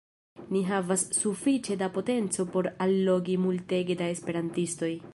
Ni havas sufiĉe da potenco por allogi multege da esperantistoj